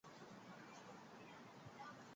担任政务院文史研究馆馆员。